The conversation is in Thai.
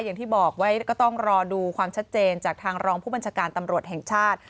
อย่างที่บอกไว้ก็ต้องรอดูความชัดเจนจากทางรองผู้บัญชาการตำรวจแห่งชาติ